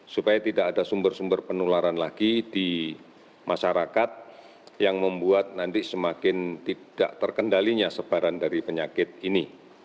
supaya tidak ada sumber sumber penularan lagi di masyarakat yang membuat nanti semakin tidak terkendalinya sebaran dari penyakit ini